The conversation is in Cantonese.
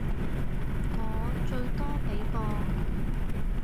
我最多畀個